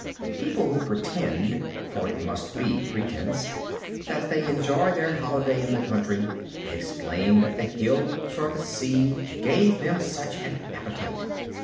People who pretend (for it must be pretence) that they enjoy their holiday in the country, explain that the hills or the sea gave them such an appetite.